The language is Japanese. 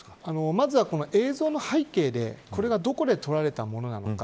まずは、この映像の背景でそれがどこで撮られたものなのか